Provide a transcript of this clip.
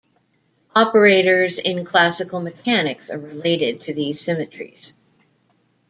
Operators in classical mechanics are related to these symmetries.